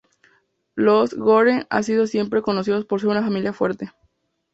Los Gore han sido siempre conocidos por ser una familia fuerte.